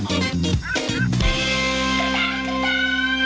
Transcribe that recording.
โปรดติดตามตอนต่อไป